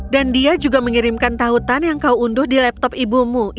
dan dia juga mengirimkan tautan yang kau unduh di laptop ini